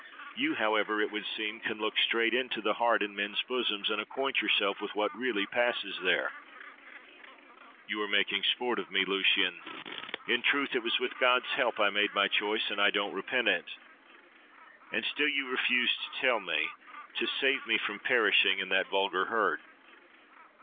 You, however, it would seem, can look straight into the heart in men's bosoms, and acquaint yourself with what really passes there. —You are making sport of me, Lucian! In truth, it was with God's help I made my choice, and I don't repent it. —And still you refuse to tell me, to save me from perishing in that 'vulgar herd.